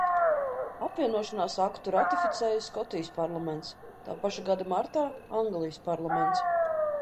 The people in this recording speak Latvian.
Apvienošanās aktu ratificēja Skotijas parlaments, tā paša gada martā – Anglijas parlaments.